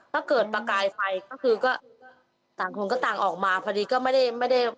ก็เกิดประกายไฟก็คือก็ต่างคนก็ต่างออกมาพอดีก็ไม่ได้ไม่ได้